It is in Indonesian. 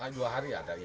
dua hari ada ya